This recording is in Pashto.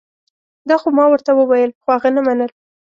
دا خو ما ورته وویل خو هغه نه منل